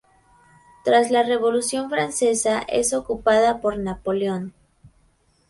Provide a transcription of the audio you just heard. Tras la Revolución francesa es ocupada por Napoleón.